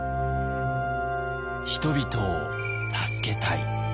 人々を助けたい。